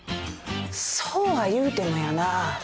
そうはいうてもやなぁ。